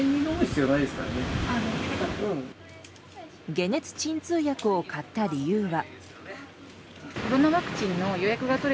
解熱鎮痛薬を買った理由は。